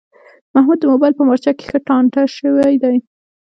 محمود د مبایل په مارچه کې ښه ټانټه شوی دی.